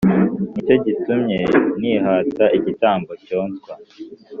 nicyo gitumye nihata igitambo cyoswa